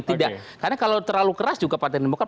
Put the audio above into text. tidak karena kalau terlalu keras juga partai demokrat